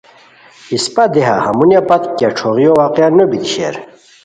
اسپہ دیہہ ہمونیہ پت کیہ ݯھوغیو واقعہ نو تان بیتی شیر